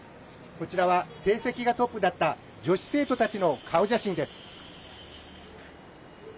こちらは成績がトップだった女子生徒たちの顔写真です。